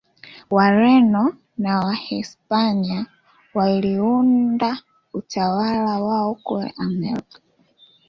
Wareno na Wahispania waliunda utawala wao kule Amerika